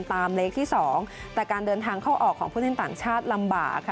แต่การเดินทางเข้าออกของผู้เล่นต่างชาติลำบาก